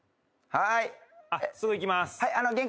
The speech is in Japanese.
はい。